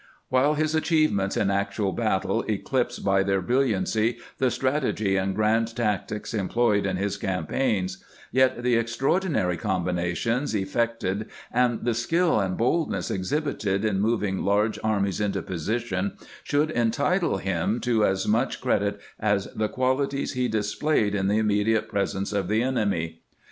While his achievements in actual battle eclipse by their brilliancy the strategy and grand tactics employed in his campaigns, yet the extraordinary combinations effected, and the skill and boldness exhibited in moving large armies into position, should entitle him to as much credit as the qualities he displayed in the immediate presence of the enemy.